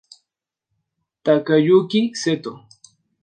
Takayuki Seto